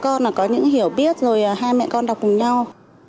con là có những hiểu biết rồi hai mẹ con đọc cùng nhau